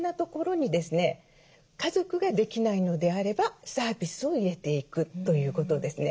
家族ができないのであればサービスを入れていくということですね。